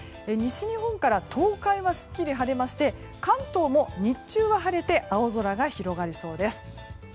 西日本から東海はすっきり晴れまして関東も日中は晴れて青空が広がりそうです。